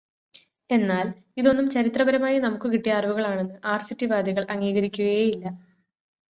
എന്നാൽ, ഇതൊന്നും ചരിത്രപരമായി നമുക്ക് കിട്ടിയ അറിവുകളാണെന്ന് ആർസിറ്റിവാദികൾ അംഗീകരിക്കുകയേ ഇല്ല.